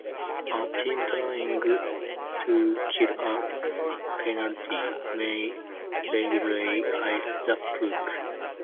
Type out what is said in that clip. A team trying to kill a penalty may legally "ice the puck".